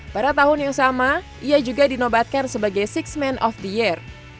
pada tahun yang sama ia juga dinobatkan sebagai sixth man of the year